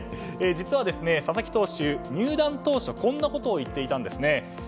実は、佐々木投手入団当初、こんなことを言っていたんですね。